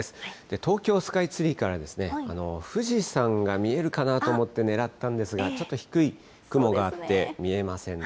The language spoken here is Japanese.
東京スカイツリーから富士山が見えるかなと思ってねらったんですが、ちょっと、低い雲があって見えませんね。